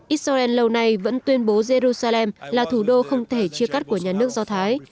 israel lâu nay vẫn tuyên bố jerusalem là thủ đô không thể chia cắt của nhà nước do thái